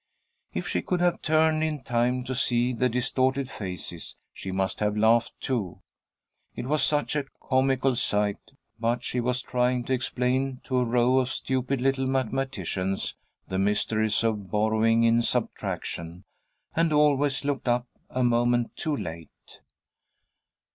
If she could have turned in time to see the distorted faces, she must have laughed too, it was such a comical sight, but she was trying to explain to a row of stupid little mathematicians the mysteries of borrowing in subtraction, and always looked up a moment too late.